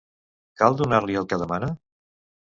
Cal donar-li el que demana?